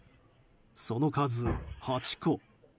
その数、８個。